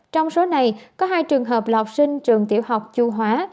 trong số này có hai trường hợp lọc sinh trường tiểu học chưu hóa